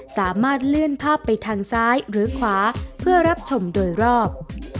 สามารถเลื่อนภาพไปทางซ้ายหรือขวาเพื่อรับชมโดยรอบ